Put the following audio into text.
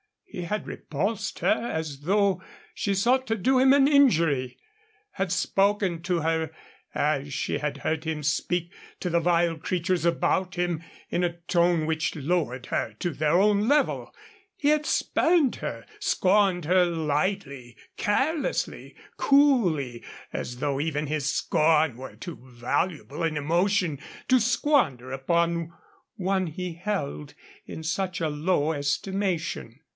He had repulsed her as though she sought to do him an injury; had spoken to her as she had heard him speak to the vile creatures about him, in a tone which lowered her to their own low level. He had spurned her, scorned her lightly, carelessly, coolly, as though even his scorn were too valuable an emotion to squander upon one he held in such a low estimation.